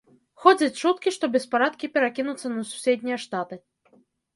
Ходзяць чуткі, што беспарадкі перакінуцца на суседнія штаты.